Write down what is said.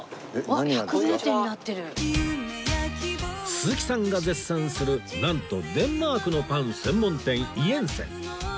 鈴木さんが絶賛するなんとデンマークのパン専門店イエンセン